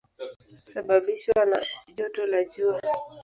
Husababishwa na joto la jua.